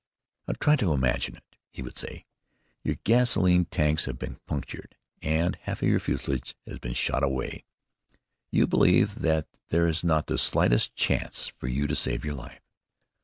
"Now try to imagine it," he would say: "your gasoline tanks have been punctured and half of your fuselage has been shot away. You believe that there is not the slightest chance for you to save your life.